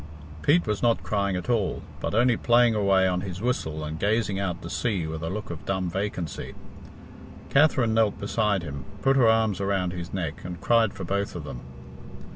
Pete was not crying at all, but only playing away on his whistle and gazing out to sea with a look of dumb vacancy. Katherine knelt beside him, put her arms around his neck, and cried for both of them.